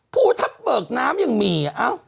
ภูทับเบิกน้ำยังมี